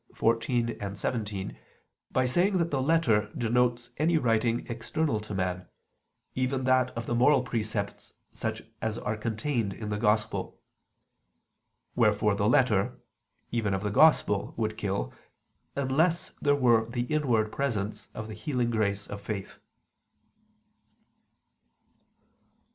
xiv, xvii) by saying that the letter denotes any writing external to man, even that of the moral precepts such as are contained in the Gospel. Wherefore the letter, even of the Gospel would kill, unless there were the inward presence of the healing grace of faith.